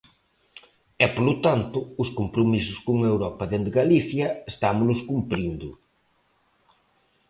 E, polo tanto, os compromisos con Europa dende Galicia estámolos cumprindo.